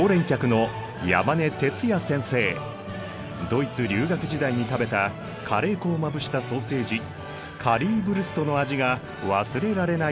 ドイツ留学時代に食べたカレー粉をまぶしたソーセージカリーヴルストの味が忘れられないそう。